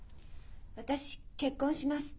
私結婚します。